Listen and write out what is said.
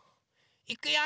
いくよ。